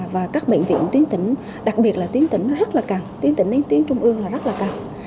và các bệnh viện tuyến tỉnh đặc biệt là tuyến tỉnh rất là cần tuyến tỉnh đến tuyến trung ương là rất là cao